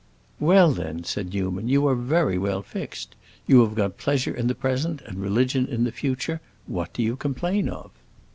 "Well, then," said Newman, "you are very well fixed. You have got pleasure in the present and religion in the future; what do you complain of?"